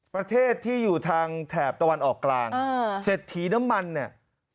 ประเทศที่อยู่ทางแถบตะวันออกกลางเศรษฐีน้ำมันเนี่ย